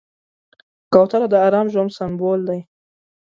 کوتره د ارام ژوند سمبول دی.